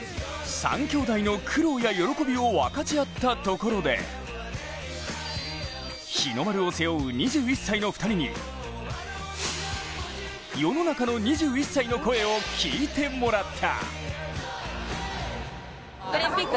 ３兄弟の苦労や喜びを分かち合ったところで日の丸を背負う２１歳の２人に、世の中の２１歳の声を聞いてもらった。